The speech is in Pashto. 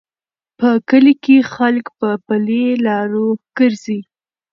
په کلي کې خلک په پلي لارو ګرځي.